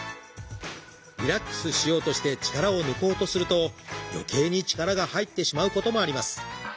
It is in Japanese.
リラックスしようとして力を抜こうとするとよけいに力が入ってしまうこともあります。